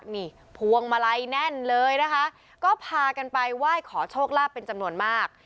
นี่พวงมาลัยแน่นเลยนะคะก็พากันไปไหว้ขอโชคลาภเป็นจำนวนมาก